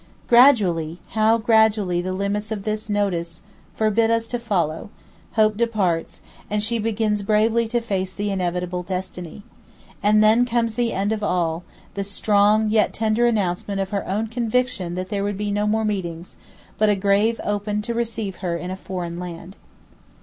'Gradually—how gradually the limits of this notice forbid us to follow—hope departs, and she begins bravely to face the inevitable destiny. And then comes the end of all, the strong yet tender announcement of her own conviction that there would be no more meetings, but a grave opened to receive her in a foreign land.